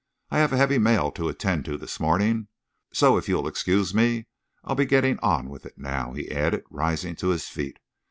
"I have a heavy mail to attend to this morning, so if you'll excuse me I'll be getting on with it now," he added, rising to his feet.